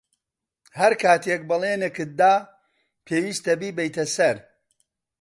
ھەر کاتێک بەڵێنێکت دا، پێویستە بیبەیتە سەر.